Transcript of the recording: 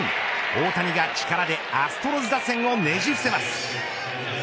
大谷が力でアストロズ打線をねじ伏せます。